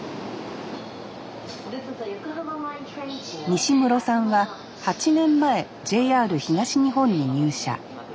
西室さんは８年前ＪＲ東日本に入社。